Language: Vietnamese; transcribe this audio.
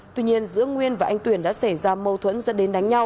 tuy nhiên giữa nguyên và anh tuyển đã xảy ra mâu thuẫn dẫn đến đánh nhau